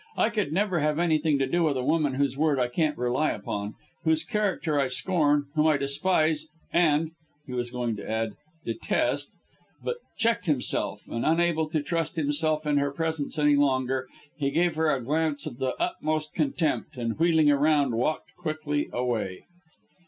I could never have anything to do with a woman whose word I can't rely upon whose character I scorn, whom I despise and " he was going to add, "detest," but checked himself, and unable to trust himself in her presence any longer, he gave her a glance of the utmost contempt, and wheeling round, walked quickly away.